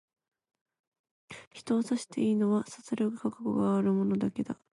人を刺していいのは、刺される覚悟がある者だけだ。